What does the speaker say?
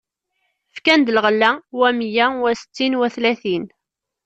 Fkan-d lɣella: wa meyya, wa settin, wa tlatin.